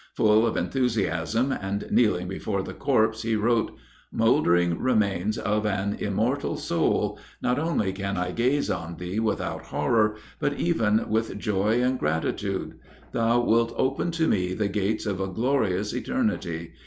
Full of enthusiasm, and kneeling before the corpse, he wrote, "Mouldering remains of an immortal soul, not only can I gaze on thee without horror, but even with joy and gratitude. Thou wilt open to me the gates of a glorious eternity.